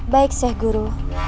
baik seh guru